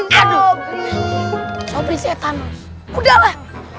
lu ada lagi berarti mau milih